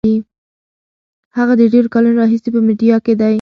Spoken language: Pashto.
هغه د ډېرو کلونو راهیسې په میډیا کې دی.